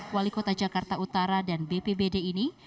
wali kota jakarta utara dan bpbd ini